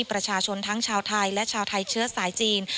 ประชาชนทั้งชาวไทยและชาวไทยเชื้อสายจีน